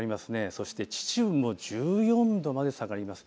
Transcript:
そして秩父も１４度まで下がります。